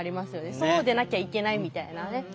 そうでなきゃいけないみたいなね。